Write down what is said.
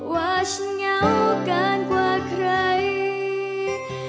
ว่าฉันเหงาเกินกว่าใคร